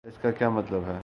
اس کا کیا مطلب ہے؟